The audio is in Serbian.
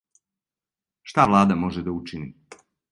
Шта влада може да учини?